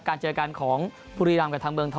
การเจอกันของบุรีรัมป์กับทางเมืองท้อ